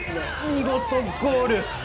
見事、ゴール。